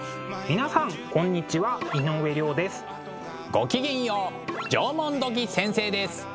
ごきげんよう縄文土器先生です。